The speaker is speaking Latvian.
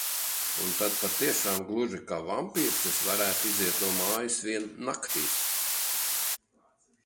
Un tad patiešām gluži kā vampīrs es varētu iziet no mājas vien naktīs.